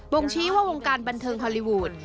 ่งชี้ว่าวงการบันเทิงฮอลลีวูด